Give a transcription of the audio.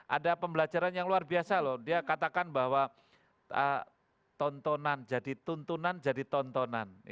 ada pembelajaran yang luar biasa loh dia katakan bahwa tontonan jadi tuntunan jadi tontonan